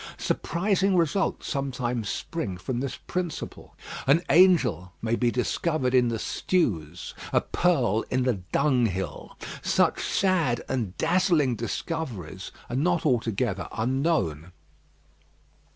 Surprising results sometimes spring from this principle. An angel may be discovered in the stews; a pearl in the dunghill. Such sad and dazzling discoveries are not altogether unknown.